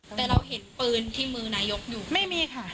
แต่เราเห็นปืนที่มือนายกอยู่ไม่มีค่ะ